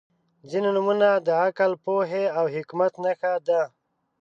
• ځینې نومونه د عقل، پوهې او حکمت نښه ده.